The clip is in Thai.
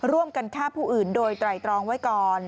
ร่วมกันฆ่าผู้อื่นโดยไตรตรองไว้ก่อน